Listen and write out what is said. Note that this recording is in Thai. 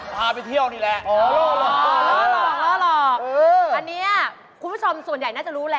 ทาไปเที่ยวอี้แหละ